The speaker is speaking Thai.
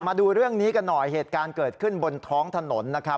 มาดูเรื่องนี้กันหน่อยเหตุการณ์เกิดขึ้นบนท้องถนนนะครับ